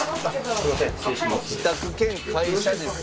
自宅兼会社です。